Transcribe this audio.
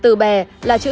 từ bè là chữ viên